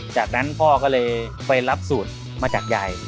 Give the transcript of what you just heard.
จากนั้นพ่อก็เลยไปรับสูตรมาจากยาย